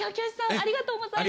ありがとうございます。